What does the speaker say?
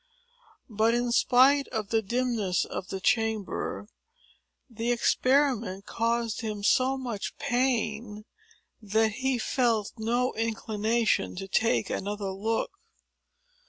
But, in spite of the dimness of the chamber, the experiment caused him so much pain, that he felt no inclination to take another look.